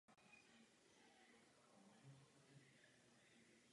Korunní lístky jsou srostlé.